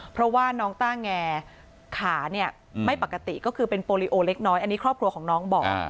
เพราะว่าน้องต้าแงขาเนี่ยไม่ปกติก็คือเป็นโปรลิโอเล็กน้อยอันนี้ครอบครัวของน้องบอก